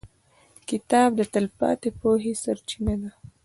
• کتاب د تلپاتې پوهې سرچینه ده.